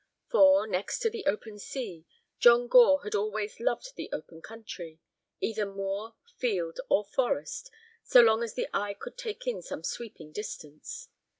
For, next to the open sea, John Gore had always loved the open country, either moor, field, or forest, so long as the eye could take in some sweeping distance.